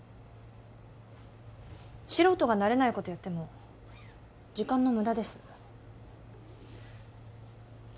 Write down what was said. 素人が慣れないことやっても時間の無駄です